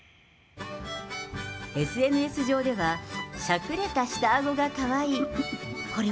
ＳＮＳ上では、しゃくれた下あごがかわいい。